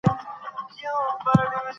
د هغې د غږ زمزمه ډېره خوږه وه.